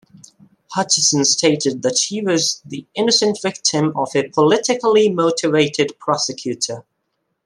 Hutchison stated that she was the innocent victim of a politically motivated prosecutor.